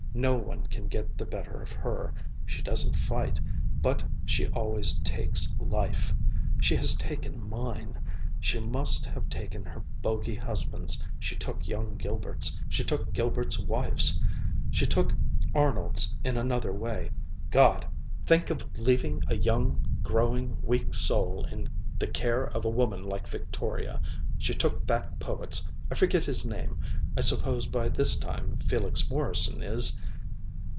No one can get the better of her. She doesn't fight. But she always takes life. She has taken mine. She must have taken her bogie husband's, she took young Gilbert's, she took Gilbert's wife's, she took Arnold's in another way.... God! think of leaving a young, growing, weak soul in the care of a woman like Victoria! She took that poet's, I forget his name; I suppose by this time Felix Morrison is